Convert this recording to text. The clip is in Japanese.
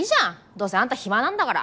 どうせあんた暇なんだから！